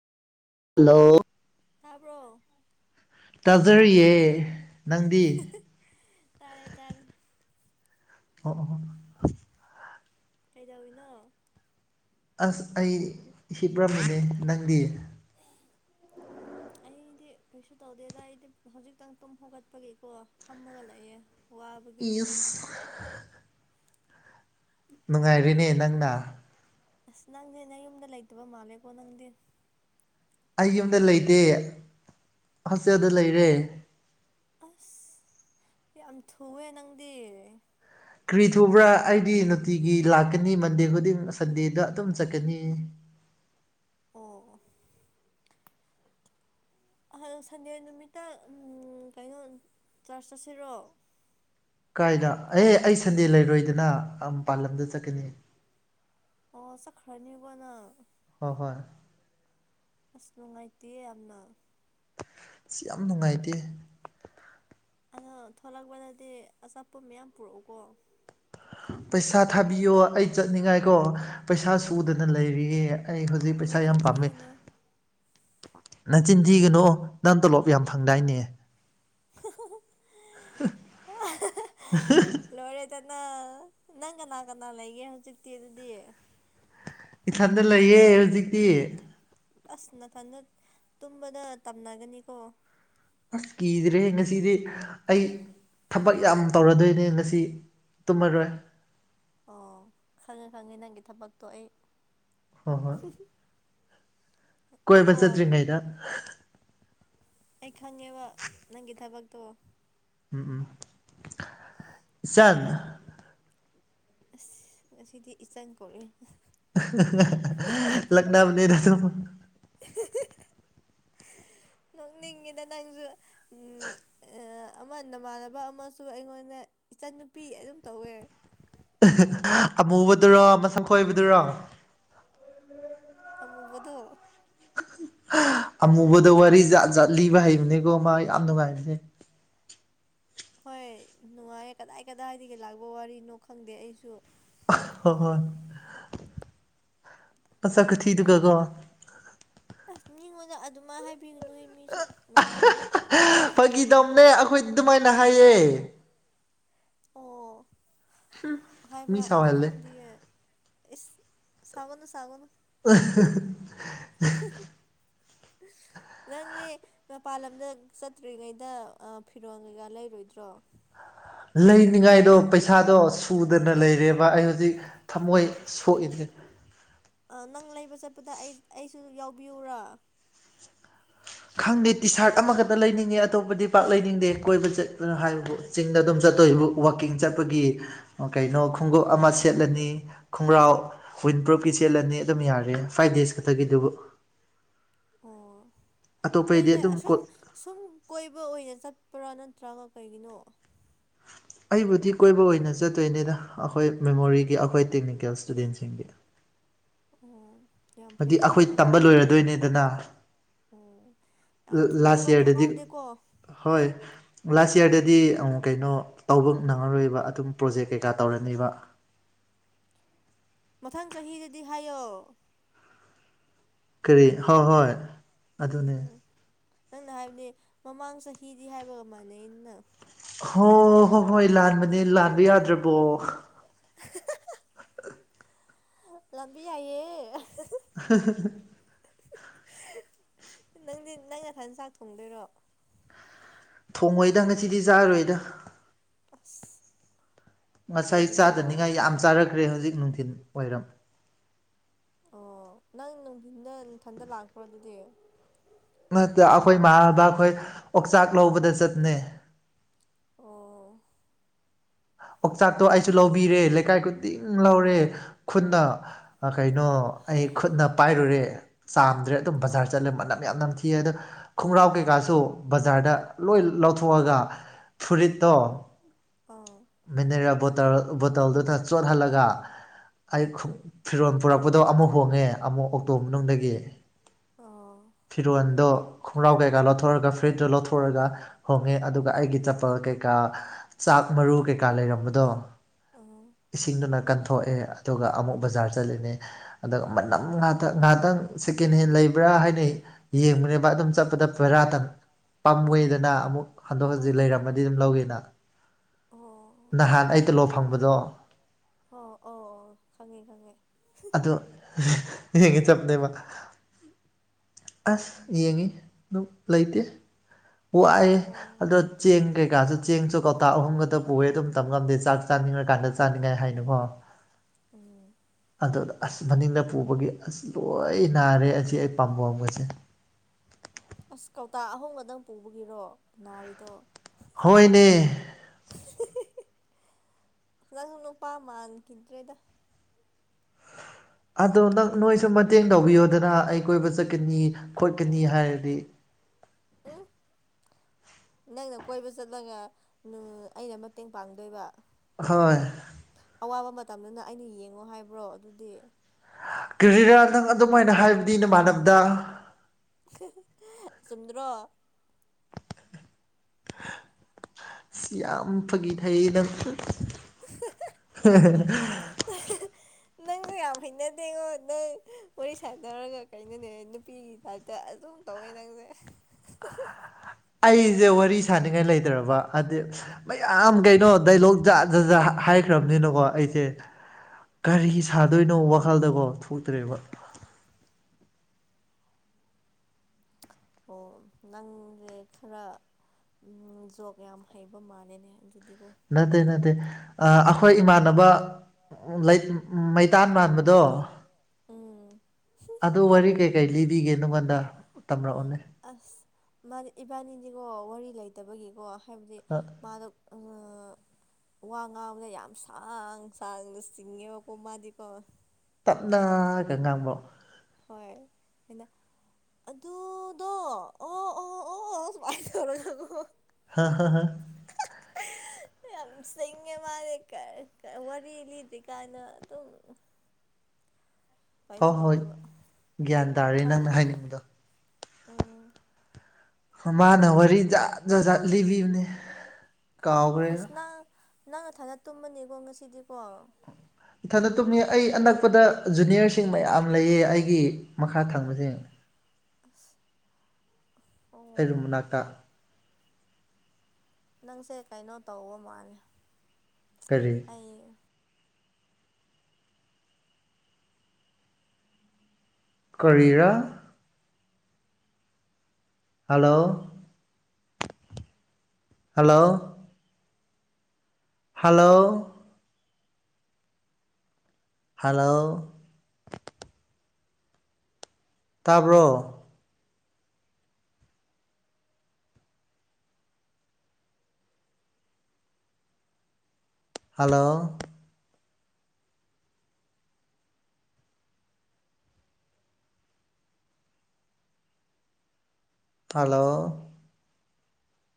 hello ꯇꯥꯕ꯭ꯔꯣ ꯇꯥꯖꯔꯤꯌꯦ ꯅꯪꯗꯤ ꯇꯔꯦ ꯇꯔ ꯑꯣ ꯀꯩꯗꯧꯏꯤꯅꯣ ꯑꯁ ꯑꯩ ꯍꯄ꯭ꯔꯝꯕꯅꯦ ꯅꯪꯗꯤ ꯍ ꯎꯝ ꯑꯩꯗꯤ ꯀꯩꯁꯨ ꯇꯧꯗꯦꯗ ꯑꯩꯗꯤ ꯍꯧꯖꯤꯛꯇꯪ ꯇꯨꯝ ꯍꯧꯒꯠꯄꯒꯤꯀꯣ ꯐꯝꯃꯒ ꯂꯩꯑꯦ ꯌꯨꯁ ꯅꯨꯡꯉꯥꯏꯔꯤꯅꯦ ꯅꯪꯅ ꯑꯁ ꯅꯪꯁꯦ ꯅꯪ ꯌꯨꯝꯗ ꯂꯩꯇꯕ ꯃꯥꯜꯂꯦꯀꯣ ꯅꯪꯗꯤ ꯑꯩ ꯌꯨꯝꯗ ꯂꯩꯇꯦ ꯍꯣꯁꯇꯦꯜꯗ ꯂꯩꯔꯦ ꯑꯁ ꯌꯥꯝ ꯊꯨꯑꯦ ꯅꯪꯗꯤ ꯀ꯭ꯔꯤ ꯊꯨꯕ꯭ꯔꯥ ꯑꯩꯗꯤ ꯅꯨꯡꯇꯤꯒꯤ ꯂꯥꯛꯀꯅꯤ ꯃꯟꯗꯦ ꯈꯨꯗꯤꯡ ꯁꯟꯗꯦꯗ ꯑꯗꯨꯝ ꯆꯠꯀꯅꯤ ꯑꯣ ꯍꯜꯂꯣ ꯁꯟꯗꯦ ꯅꯨꯃꯤꯠꯇ ꯀꯩꯅꯣ ꯆꯔꯆ ꯆꯠꯁꯤꯔꯣ ꯀꯥꯏꯅ ꯑꯦ ꯑꯩ ꯁꯟꯗꯦ ꯂꯩꯔꯣꯏꯗꯅ ꯃꯄꯥꯟꯂꯝꯗ ꯆꯠꯀꯅꯤ ꯑꯣ ꯆꯠꯈ꯭ꯔꯅꯦꯕ ꯅꯪ ꯍꯣꯏ ꯍꯣꯏ ꯑꯁ ꯅꯨꯡꯉꯥꯏꯇꯦ ꯌꯥꯝꯅ ꯁꯤ ꯌꯥꯝ ꯅꯨꯡꯉꯥꯏꯇꯦ ꯑꯗꯣ ꯊꯂꯛꯄꯗꯗꯤ ꯑꯆꯥꯄꯣ ꯃꯌꯥꯝ ꯄꯨꯔꯛꯎꯀꯣ ꯄꯩꯁꯥ ꯊꯥꯕꯤꯌꯣ ꯑꯩ ꯆꯠꯅꯤꯡꯉꯥꯏꯀꯣ ꯄꯩꯁꯥ ꯁꯨꯗꯅ ꯂꯩꯔꯤꯌꯦ ꯑꯩ ꯍꯧꯖꯤꯛ ꯄꯩꯁꯥ ꯌꯥꯝ ꯅꯆꯤꯟ ꯄꯥꯝꯃꯤ ꯊꯤꯒꯅꯨ ꯅꯆꯤꯟꯊꯤꯒꯅꯣ ꯅꯪ ꯇꯣꯂꯣꯞ ꯌꯥꯝ ꯐꯪꯗꯥꯏꯅꯦ [unintelligible] [unintelligible] ꯂꯣꯏꯔꯦꯗꯅ ꯅꯪ ꯀꯅꯥ ꯀꯅꯥ ꯂꯩꯒꯦ ꯍꯧꯖꯤꯛꯇꯤ ꯑꯗꯨꯗꯤ ꯏꯊꯟꯗ ꯂꯩꯌꯦ ꯍꯧꯖꯤꯛꯇꯤ ꯑꯁ ꯅꯊꯟꯅ ꯇꯨꯝꯕꯗ ꯇꯝꯅꯒꯅꯤꯀꯣ ꯑꯁ ꯀꯤꯗ꯭ꯔꯦ ꯉꯁꯤꯗꯤ ꯑꯩ ꯊꯕꯛ ꯌꯥꯝ ꯇꯧꯔꯗꯣꯏꯅꯦ ꯉꯁꯤ ꯇꯨꯝꯃꯔꯣꯏ ꯑꯣ ꯈꯪꯉꯦ ꯈꯪꯉꯦ ꯅꯪꯒꯤ ꯊꯕꯛꯇꯣ ꯑꯩ ꯍꯣꯏ ꯍꯣꯏ ꯀꯣꯏꯕ ꯀꯣ ꯆꯠꯇ꯭ꯔꯤꯉꯩꯗ ꯑꯩ ꯈꯪꯉꯦꯕ ꯅꯪꯒꯤ ꯊꯕꯛꯇꯣ ꯎꯝ ꯎꯝ ꯢꯆꯥꯟ ꯑꯁ ꯉꯁꯤꯗꯤ ꯏꯆꯪ ꯀꯧꯔꯏ ꯂꯛꯅꯥꯕꯅꯤꯗ ꯁꯨꯝ [unintelligible] ꯅꯣꯛꯅꯤꯡꯉꯤꯗ ꯅꯪꯁꯨ ꯎꯃ ꯑꯥ ꯑꯃ ꯅꯃꯥꯟꯅꯕ ꯑꯃꯁꯨ ꯑꯩꯉꯣꯟꯗ ꯏꯆꯟꯅꯨꯄꯤ ꯑꯗꯨꯝ ꯇꯧꯋꯦ ꯑꯃꯨꯕꯗꯨꯔꯣ ꯃꯁꯝ ꯀꯣꯏꯕꯗꯨꯔꯣ ꯑꯃꯨꯕꯗꯣ ꯑꯃꯨꯕꯗ ꯋꯥꯔꯤ ꯖꯥꯠꯖꯠ ꯂꯤꯕ ꯍꯩꯕꯅꯦꯀꯣ ꯃꯥ ꯌꯥꯝ ꯅꯨꯡꯉꯥꯏꯕꯅꯦ ꯍꯣꯏ ꯅꯨꯡꯉꯥꯏ ꯀꯗꯥꯏ ꯀꯗꯥꯏꯗꯒꯤ ꯂꯥꯛꯄ ꯋꯥꯔꯤꯅꯣ ꯈꯪꯗꯦ ꯑꯩꯁꯨ ꯍꯣꯏ ꯍꯣꯏ ꯑ ꯃꯁꯛꯈꯨꯊꯤꯗꯨꯒꯀꯣ ꯑꯁ ꯃꯤꯉꯣꯟꯗ ꯑꯗꯨꯃ ꯍꯥꯏꯕꯤꯒꯅꯨ ꯑꯩ ꯃꯤꯁꯨ ꯅꯨꯡꯉꯥꯏꯔꯣꯏꯑꯦ ꯐꯒꯤꯗꯝꯅꯦ ꯑꯩꯈꯣꯏ ꯑꯗꯨꯃꯥꯏꯅ ꯍꯥꯏꯌꯦ ꯑꯣ ꯃꯤ ꯍꯥꯏꯕ꯭ꯔꯥ ꯑꯩꯗꯤ ꯁꯥꯎꯍꯜꯂꯦ ꯈꯪꯗꯤꯌꯦ ꯏꯁ ꯁꯥꯎꯒꯅꯨ ꯁꯥꯎꯒꯅꯨ [unintelligible] [inaudible] ꯅꯪꯅꯦ ꯃꯄꯥꯟ ꯂꯝꯗ ꯆꯠꯇ꯭ꯔꯤꯉꯩꯗ ꯑꯥ ꯐꯤꯔꯣꯟꯜ ꯀꯩꯀꯥ ꯂꯩꯔꯣꯏꯗ꯭ꯔꯣ ꯂꯩꯅꯤꯡꯉꯥꯏꯗꯣ ꯄꯩꯁꯥꯗꯣ ꯁꯨꯗꯅ ꯂꯩꯔꯦꯕ ꯑꯩ ꯍꯧꯖꯤꯛ ꯊꯃꯣꯏ ꯁꯣꯛꯏꯅꯦ ꯅꯪ ꯂꯩꯕ ꯆꯠꯄꯗ ꯑꯩ ꯑꯩꯁꯨ ꯌꯥꯎꯕꯤꯌꯨꯔꯥ ꯈꯪꯗꯦ ꯇꯤ ꯁꯥꯔꯠ ꯑꯃꯈꯛꯇ ꯂꯩꯅꯤꯡꯉꯦ ꯑꯇꯣꯞꯄꯗꯤ ꯄꯥꯛ ꯂꯩꯅꯤꯡꯗꯦ ꯀꯣꯏꯕ ꯆꯠꯄꯅꯣ ꯍꯥꯏꯕꯕꯨ ꯆꯤꯡꯗ ꯑꯗꯨꯝ ꯆꯠꯇꯣꯏ ꯋꯥꯛꯀꯤꯡ ꯆꯠꯄꯒꯤ ꯀꯩꯅꯣ ꯈꯣꯡꯎꯞ ꯑꯃ ꯁꯦꯠꯂꯅꯤ ꯈꯣꯡꯒ꯭ꯔꯥꯎ ꯋꯤꯟ ꯄ꯭ꯔꯣꯞꯄꯤ ꯆꯦꯜꯂꯅꯤ ꯑꯗꯨꯝ ꯌꯥꯔꯦ ꯐꯥꯏꯚ ꯗꯦꯖ ꯈꯛꯇꯒꯤ ꯑꯗꯨꯕꯨ ꯑꯣ ꯑꯇꯣꯞꯄꯩꯗꯤ ꯅꯣꯏꯁꯦ ꯑꯗꯨꯝ ꯑꯁꯨꯝ ꯀꯣꯠ ꯁꯨꯝ ꯀꯣꯏꯕ ꯑꯣꯏꯅ ꯆꯠꯄ꯭ꯔꯥ ꯅꯠꯇ꯭ꯔꯒ ꯀꯩꯒꯤꯅꯣ ꯑꯩꯕꯨꯗꯤ ꯀꯣꯏꯕ ꯑꯣꯏꯅ ꯆꯠꯇꯣꯏꯅꯤꯗ ꯑꯩꯈꯣꯏ ꯃꯦꯃꯣꯔꯤꯒꯤ ꯑꯩꯈꯣꯏ ꯇꯦꯛꯅꯤꯀꯦꯜ ꯏꯁꯇꯨꯗꯦꯟꯁꯤꯡꯒꯤ ꯑꯣ ꯌꯥꯝ ꯍꯥꯏꯗꯤ ꯑꯩꯈꯣꯏ ꯐꯩꯌꯦꯀꯣ ꯇꯝꯕ ꯑꯗꯨꯗꯤ ꯂꯣꯏꯔꯗꯣꯏꯅꯤꯗꯅ ꯎꯝ ꯌꯥꯝ ꯂꯥꯁ ꯊꯨꯑꯦꯕ ꯌꯥꯔꯗꯗꯤ ꯈꯪꯍꯧꯗꯦꯀꯣ ꯍꯣꯏ ꯂꯥꯁ ꯌꯌꯥꯔꯗꯗꯤꯛ ꯀꯩꯅꯣ ꯇꯧꯕ ꯅꯪꯉꯔꯣꯏꯕ ꯑꯗꯨꯝ ꯄ꯭ꯔꯣꯖꯦꯛ ꯀꯩꯀꯥ ꯇꯧꯔꯅꯤꯕ ꯃꯊꯪ ꯆꯍꯤꯗꯗꯤ ꯍꯥꯏꯌꯣ ꯀꯔꯤ ꯍꯣꯏ ꯍꯣꯏ ꯑꯗꯨꯅꯦ ꯎꯝ ꯅꯪꯅ ꯍꯥꯏꯕꯗꯤ ꯃꯃꯥꯡ ꯆꯍꯤꯗꯤ ꯍꯥꯏꯕꯒ ꯃꯥꯟꯅꯩ ꯑꯩꯅ ꯍꯣ ꯍꯣꯏ ꯍꯣꯏ ꯂꯥꯟꯕꯅꯦ ꯂꯥꯟꯕ ꯌꯥꯗ꯭ꯔꯕꯣ [unintelligible] ꯂꯝꯕꯤ ꯌꯥꯏꯌꯦ [unintelligible] ꯅꯪꯗꯤ ꯅꯪ ꯅꯊꯥꯟ ꯆꯥꯛ ꯊꯣꯡꯗꯣꯏꯔꯣ ꯊꯣꯡꯉꯣꯏꯗ ꯉꯁꯤꯗꯤ ꯆꯥꯔꯣꯏꯗ ꯑꯁ ꯉꯁꯥꯏ ꯀꯩꯒꯤꯅꯣ ꯆꯥꯗꯅꯤꯡꯉꯥꯏ ꯌꯥꯝ ꯆꯥꯔꯛꯈ꯭ꯔꯦ ꯍꯧꯖꯤꯛ ꯅꯨꯡꯊꯤꯜ ꯋꯥꯏꯔꯝ ꯑꯣ ꯅꯪ ꯅꯨꯡꯊꯤꯟꯗ ꯅꯥꯊꯟꯇ ꯂꯥꯛꯄ꯭ꯔꯣ ꯑꯗꯨꯗꯤ ꯅꯠꯇ ꯑꯩꯈꯣꯏ ꯃꯥꯥꯟꯅꯗ ꯑꯩꯈꯣꯏ ꯑꯣꯛꯆꯥꯛ ꯂꯧꯕꯗ ꯆꯠꯄꯅꯩ ꯑꯣ ꯑꯣꯆꯥꯛꯇꯣ ꯑꯩꯁꯨ ꯂꯧꯕꯤꯔꯦ ꯂꯩꯀꯥꯏ ꯈꯨꯗꯤꯡ ꯂꯧꯔꯦ ꯈꯨꯠꯅ ꯀꯩꯅꯣ ꯑꯩ ꯈꯨꯠꯅ ꯄꯥꯏꯔꯨꯔꯦ ꯆꯥꯝꯗ꯭ꯔꯦ ꯑꯗꯨꯝ ꯎꯝ ꯕꯖꯥꯔ ꯆꯠꯂꯦ ꯃꯅꯝ ꯌꯥꯝ ꯅꯝ ꯊꯤꯑ ꯑꯗꯣ ꯈꯣꯡꯒ꯭ꯔꯥꯎ ꯀꯩꯀꯥꯁꯨ ꯕꯖꯥꯔꯗ ꯂꯣꯏ ꯂꯧꯊꯣꯛꯑꯒ ꯐꯨꯔꯤꯠꯇꯣ ꯑꯥ ꯃꯤꯅꯔꯦꯜ ꯕꯣꯇ ꯕꯣꯇꯜꯗꯨꯗ ꯆꯣꯠꯍꯜꯂꯒ ꯑꯩ ꯐꯤꯔꯣꯜ ꯄꯨꯔꯛꯄꯗꯣ ꯑꯃꯨꯛ ꯍꯣꯡꯉꯦ ꯑꯃꯨꯛ ꯑꯣꯛꯇꯣ ꯃꯅꯨꯡꯗꯒꯤ ꯑꯥ ꯐꯤꯔꯣꯟꯜꯗꯣ ꯈꯣꯡꯒ꯭ꯔꯥꯎ ꯀꯩꯀꯥ ꯂꯧꯊꯣꯔꯒ ꯐ꯭ꯔꯤꯖꯇꯣ ꯂꯧꯊꯣꯛꯒ ꯍꯣꯡꯉꯦ ꯑꯗꯨꯒ ꯑꯩꯒꯤ ꯆꯄꯜ ꯀꯩꯀꯥ ꯆꯥꯛ ꯃꯔꯨ ꯀꯩꯀꯥ ꯂꯩꯔꯝꯕꯗꯣ ꯑꯥ ꯁꯤꯡꯗꯨꯅ ꯀꯟꯊꯣꯛꯑꯦ ꯑꯗꯨꯒ ꯑꯃꯨꯛ ꯕꯖꯥꯔ ꯆꯠꯂꯤꯅꯦ ꯑꯗꯨꯒ ꯃꯅꯝ ꯉꯥꯏꯍꯇꯪ ꯉꯥꯏꯍꯥꯛꯇꯪ ꯁꯦꯀꯦꯟ ꯍꯦꯟ ꯂꯩꯕ꯭ꯔꯥ ꯍꯥꯏꯅꯩ ꯌꯦꯡꯕꯅꯦꯕ ꯑꯗꯨꯝ ꯆꯠꯄꯗ ꯄꯕꯦꯔꯥꯇ ꯄꯥꯝꯃꯣꯏꯗꯅ ꯑꯃꯨꯛ ꯍꯟꯗꯣꯛ ꯍꯟꯖꯤꯛ ꯍꯣꯏ ꯂꯩꯔꯝꯃꯗꯤ ꯑꯗꯨꯝ ꯂꯧꯋꯅ ꯑꯣ ꯅꯍꯥꯟ ꯑꯩ ꯇꯂꯣ ꯐꯪꯕꯗꯣ ꯍ ꯑꯣ ꯑꯣ ꯈꯪꯉꯦ ꯈꯪꯉꯦ ꯌꯦꯡꯒ ꯆꯞꯅꯦꯕ ꯑꯁ ꯌꯦꯡꯉꯤ ꯑꯗꯨ ꯂꯩꯇꯦ ꯋꯥꯌꯦꯦ ꯑꯣ ꯑꯗꯣ ꯆꯦꯡ ꯀꯩꯀꯥꯁꯨ ꯆꯦꯡꯁꯨ ꯀꯧꯇꯥ ꯑꯍꯨꯝꯒꯗ ꯄꯨꯑꯦ ꯑꯗꯨꯝ ꯇꯝ ꯉꯝꯗꯦ ꯆꯥꯛ ꯆꯥꯅꯤꯡꯉꯀꯥꯟꯗ ꯆꯥꯅꯤꯡꯉꯥꯏ ꯍꯥꯏꯅꯨꯀꯣ [inaudible] ꯑꯗꯨꯗ ꯑꯁ ꯃꯅꯤꯡꯗ ꯄꯨꯕꯒꯤ ꯑꯁ ꯂꯣꯏ ꯅꯥꯔꯦ ꯑꯁꯤ ꯑꯩ ꯄꯥꯝꯕꯝꯒꯁ [unintelligible] ꯑꯁ ꯀꯧꯇꯥ ꯑꯍꯨꯝꯒꯗꯪ ꯄꯨꯕꯒꯤꯔꯣ ꯅꯥꯔꯤꯗꯣ ꯍꯣꯏꯅꯦ ꯅꯪ ꯅꯨꯄꯥ ꯃꯥꯟꯈꯤꯗ꯭ꯔꯦꯗ ꯑꯗꯣ ꯅꯪ ꯅꯣꯏꯁꯨ ꯃꯇꯦꯡ ꯇꯧꯕꯤꯌꯣꯗꯅ ꯑꯩ ꯀꯣꯏꯕ ꯆꯠꯀꯅꯤ ꯈꯣꯠꯀꯅꯤ ꯎꯝ ꯍꯥꯏꯔꯗꯤ ꯎꯝ ꯅꯪꯅ ꯀꯣꯏꯕ ꯆꯠꯂꯒ ꯑꯩꯅ ꯃꯇꯦꯡ ꯄꯥꯡꯗꯣꯏꯕ ꯍꯣꯏ ꯑꯋꯥꯕ ꯃꯇꯝꯗꯨꯅ ꯑꯩꯅ ꯌꯦꯡꯉꯣ ꯍꯥꯏꯕ꯭ꯔꯣ ꯑꯗꯨꯗꯤ ꯀꯦꯖꯤꯔꯥ ꯅꯪ ꯑꯗꯨꯝ ꯍꯥꯏꯥꯏꯅ ꯍꯥꯏꯕꯗꯤ ꯅꯃꯥꯟꯅꯕꯗ ꯆꯨꯝꯗ꯭ꯔꯣ ꯁꯤ ꯌꯥꯝ ꯐꯒꯤ ꯊꯩꯅ ꯍ [inaudible] ꯅꯪꯁꯦ ꯌꯥꯝ ꯍꯩꯅ ꯊꯡꯉꯣ ꯅꯪ ꯋꯥꯔꯤ ꯁꯥꯥꯟ ꯇꯧꯔꯒ ꯀꯩꯅꯣꯅꯦ ꯅꯨꯄꯤꯒꯤ ꯍꯥꯏꯇ ꯑꯗꯨꯝ ꯇꯧꯋꯤ ꯅꯪꯁꯦ ꯑꯩꯁꯦ ꯋꯥꯔꯤ ꯁꯅꯤꯡꯉꯥꯏ ꯂꯩꯇ꯭ꯔꯕ ꯍꯥꯏꯗꯤ ꯃꯌꯥꯝ ꯀꯩꯅꯣ ꯗꯥꯏꯂꯣꯛ ꯖꯥꯠ ꯖꯥ ꯖ ꯍꯥꯏꯈ꯭ꯔꯕꯅꯤꯅꯀꯣ ꯑꯩꯁꯦ ꯀꯔꯤ ꯁꯥꯗꯣꯏꯅꯣ ꯋꯥꯈꯜꯗꯀꯣ ꯊꯣꯛꯇ꯭ꯔꯦꯕ ꯑꯣ ꯅꯪꯁꯦ ꯈꯔ ꯖꯣꯒ ꯌꯥꯝ ꯍꯩꯕ ꯃꯥꯜꯂꯅꯦ ꯑꯗꯨꯗꯤꯕꯨꯣ ꯅꯠꯇꯦ ꯅꯠꯇꯦ ꯑꯩꯈꯣꯏ ꯏꯃꯥꯟꯅꯕ ꯂꯩ ꯃꯩꯇꯥꯟ ꯃꯥꯟꯕꯗꯣ ꯎꯝ ꯑꯗꯨ ꯋꯥꯔꯤ ꯀꯩꯀꯔꯤ ꯂꯤꯕꯤꯒꯦ ꯅꯉꯣꯟꯗ ꯇꯝꯔꯛꯑꯣꯅꯦ ꯑꯁ ꯃꯥ ꯏꯕꯥꯅꯤꯗꯤꯀꯣ ꯋꯥꯔꯤ ꯂꯩꯇꯕꯒꯤꯀꯣ ꯍꯥꯏꯕꯗꯤ ꯃꯥꯗꯣ ꯑ ꯋꯥ ꯉꯥꯡꯕꯗ ꯌꯥꯝ ꯁꯥꯡ ꯆꯥꯡꯅ ꯆꯤꯡꯉꯦꯕꯀꯣ ꯃꯥꯗꯤꯀꯣ ꯇꯞꯅꯒ ꯉꯥꯡꯕꯣ ꯍꯣꯏ ꯑꯅ ꯑꯗꯨꯗꯣ ꯑꯣ ꯑꯣ ꯑꯣ ꯁꯨꯃꯥꯏꯅ ꯇꯧꯔꯣꯏ ꯅꯒꯣ ꯍꯥ ꯍꯥ ꯍꯥ [unintelligible] ꯌꯥꯝ ꯆꯦꯡꯉꯦ ꯃꯥꯂꯦ ꯋꯥꯔꯤ ꯂꯤꯗ꯭ꯔꯤ ꯀꯥꯏꯅ ꯑꯗꯨꯝ ꯍꯣꯏ ꯀꯩꯅꯣ ꯍꯣꯏ ꯇꯧꯋꯦꯕ ꯒ꯭ꯌꯥꯟ ꯇꯥꯔꯦ ꯈꯪꯉꯣ ꯅꯪꯅ ꯍꯥꯏꯅꯤꯡꯕꯗꯣ ꯎꯝ ꯃꯥꯅ ꯋꯥꯔꯤ ꯖꯥꯠ ꯖꯥꯖꯥꯠ ꯂꯤꯕꯤꯕꯅꯦ ꯀꯥꯎꯈ꯭ꯔꯦ ꯑꯁ ꯅ ꯅꯪꯅ ꯊꯥꯅ ꯇꯨꯝꯕꯅꯦꯀꯣ ꯉꯁꯤꯗꯤꯀꯣ ꯏꯊꯟꯗ ꯇꯨꯝꯃꯤ ꯑꯩ ꯑꯅꯛꯄꯗ ꯖꯨꯅꯤꯌꯔꯁꯤꯡ ꯃꯌꯥꯝ ꯂꯩꯌꯦ ꯑꯩꯒꯤ ꯃꯈꯥ ꯊꯪꯕꯁꯤꯡ ꯑ ꯑꯩꯔꯨꯝ ꯃꯅꯥꯛꯇ ꯅꯪꯁꯦ ꯀꯩꯅꯣ ꯇꯧꯕ ꯃꯥꯜ ꯀꯔꯤ ꯑꯩ ꯀꯔꯤꯔꯥ ꯍꯜꯂꯣ ꯍꯜꯂꯣ ꯍꯜꯂꯣ ꯍꯂꯣ ꯇꯥꯕ꯭ꯔꯣ ꯍꯜꯂꯣ ꯍꯜꯂꯣ